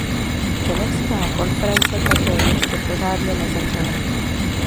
Ženevská konference také ještě pořádně nezačala.